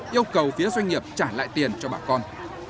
yêu cầu phía doanh nghiệp trả lại tiền cho bà con